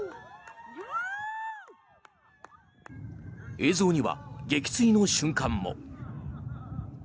映像には撃墜の瞬間も。